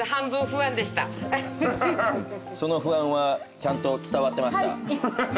その不安はちゃんと伝わってました。